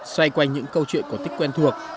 xoay quanh những câu chuyện cổ tích quen thuộc